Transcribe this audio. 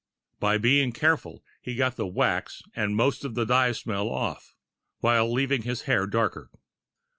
By being careful, he got the wax and most of the dye smell off, while leaving his hair darker.